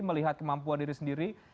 melihat kemampuan diri sendiri